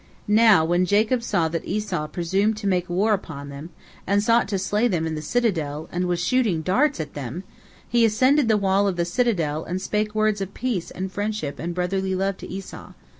Now when Jacob saw that Esau presumed to make war upon them, and sought to slay them in the citadel, and was shooting darts at them, he ascended the wall of the citadel and spake words of peace and friendship and brotherly love to Esau.